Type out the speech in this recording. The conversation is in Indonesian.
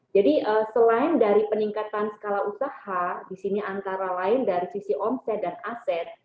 jadi selain dari peningkatan skala usaha di sini antara lain dari sisi omset dan aset